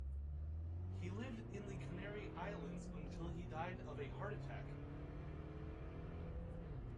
He lived in the Canary Islands until he died of a heart attack.